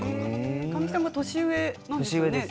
神木さんが年上なんですよね？